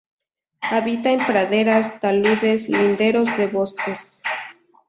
Habita en praderas, taludes, linderos de bosques.